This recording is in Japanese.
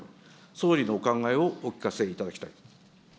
総理のお考えをお聞かせいただきたい。